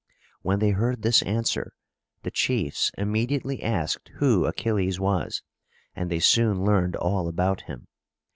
When they heard this answer, the chiefs immediately asked who Achilles was, and they soon learned all about him.